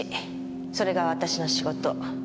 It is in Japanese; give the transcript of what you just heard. それが私の仕事。